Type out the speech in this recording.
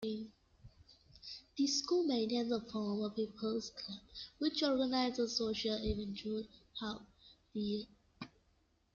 The school maintains a Former Pupils Club, which organises social events throughout the year.